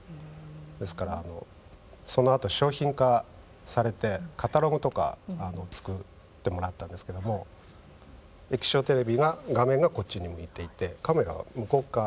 ですからそのあと商品化されてカタログとか作ってもらったんですけども液晶テレビ画面がこっちに向いていてカメラは向こう側。